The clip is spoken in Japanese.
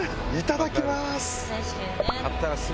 いただきます。